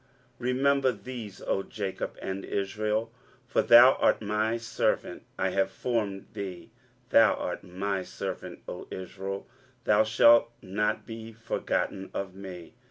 23:044:021 Remember these, O Jacob and Israel; for thou art my servant: I have formed thee; thou art my servant: O Israel, thou shalt not be forgotten of me.